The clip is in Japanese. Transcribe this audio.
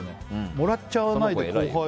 もらっちゃわないで、後輩。